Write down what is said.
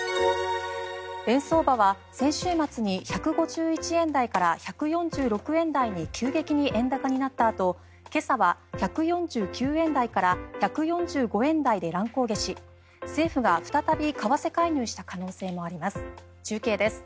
円相場は先週末に１５１円台から１４６円台に急激に円高になったあと今朝は１４９円台から１４５円台で乱高下し政府が再び為替介入した可能性もあります。